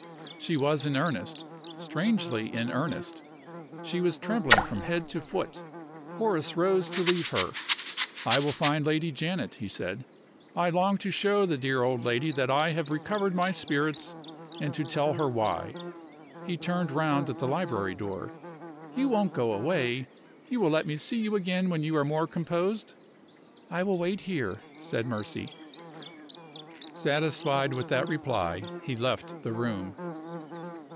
She was in earnest strangely in earnest. She was trembling from head to foot. Horace rose to leave her. "I will find Lady Janet," he said; "I long to show the dear old lady that I have recovered my spirits, and to tell her why." He turned round at the library door. "You won't go away? You will let me see you again when you are more composed?" "I will wait here," said Mercy. Satisfied with that reply, he left the room.